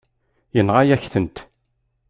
Yenɣa-yakent-t.